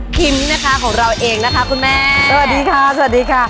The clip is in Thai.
นะคะของเราเองนะคะคุณแม่สวัสดีค่ะสวัสดีค่ะ